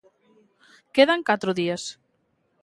Quedan catro días.